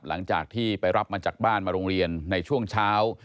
หลังจากที่ไปรับมาจากบ้านมาโรงเรียนในช่วงเช้า